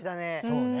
そうね。